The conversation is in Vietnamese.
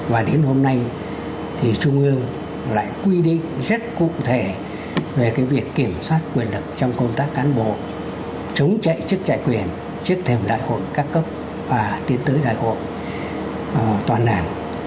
và đến hôm nay thì trung ương lại quy định rất cụ thể về cái việc kiểm soát quyền lực trong công tác cán bộ chống chạy chức chạy quyền trước thềm đại hội các cấp và tiến tới đại hội toàn đảng